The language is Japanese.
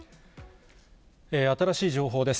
新しい情報です。